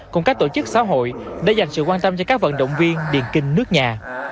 cùng các tổ chức xã hội đã dành sự quan tâm cho các vận động viên điền kinh nước nhà